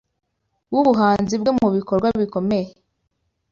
w’ubuhanzi bwe mu bikorwa bikomeye